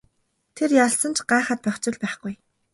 Тэр ялсан ч гайхаад байх зүйл байхгүй.